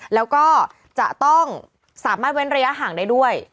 แล้วก็จะต้องสามารถเว้นระยะห่างได้ด้วย